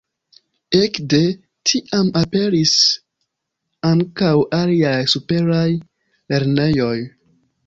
Ekde tiam aperis ankaŭ aliaj superaj lernejoj.